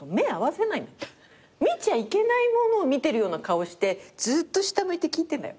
見ちゃいけないものを見てるような顔してずっと下向いて聴いてんだよ。